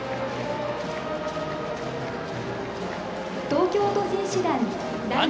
東京都選手団。